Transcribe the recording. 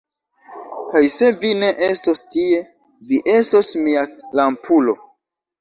Kaj se vi ne estos tie, vi estos mia lampulo.